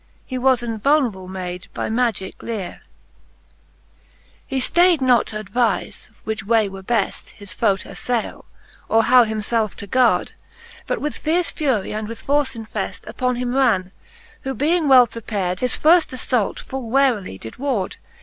He was invulnerable made by Magicke leare. V. He {layed not t'advize, which way were bcft His foe t'aflayle, or how himielfe to gard. But with fierce fury and with force infeft Upon him ran ', who being well prepard. His firft afiault full warily did ward.